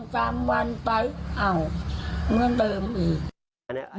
แต่๒๓วันไปอ่ะเหมือนเดิมอีก